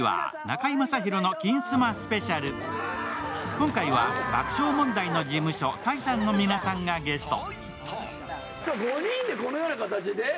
今回は爆笑問題の事務所タイタンの皆さんがゲスト。